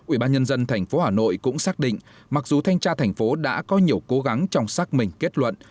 ủy ban nhân dân tp hà nội cũng xác định mặc dù thanh tra thành phố đã có nhiều cố gắng trong xác minh kết luận